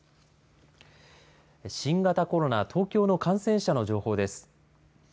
新型コロナ、東京の感染者の情報です。